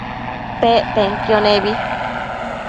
Pec penquio nebi